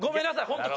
本当